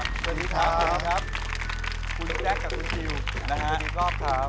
แจ๊คจิลวันนี้เขาสองคนไม่ได้มามูเรื่องกุมาทองอย่างเดียวแต่ว่าจะมาเล่าเรื่องประสบการณ์นะครับ